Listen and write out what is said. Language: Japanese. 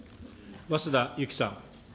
早稲田ゆきさん。